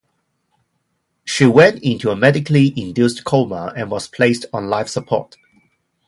She went into a medically induced coma, and was placed on life support.